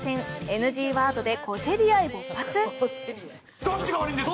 ＮＧワードで小競り合い勃発？